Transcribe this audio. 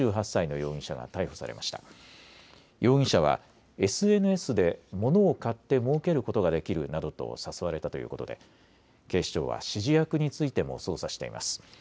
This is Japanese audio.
容疑者はＳＮＳで物を買ってもうけることができるなどと誘われたということで警視庁は指示役についても捜査しています。